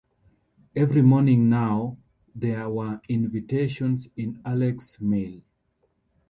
Every morning now there were invitations in Alec's mail.